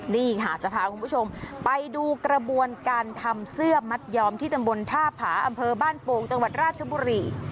นี่ค่ะจะพาคุณผู้ชมไปดูกระบวนการทำเสื้อมัดยอมที่ตำบลท่าผาอำเภอบ้านโป่งจังหวัดราชบุรี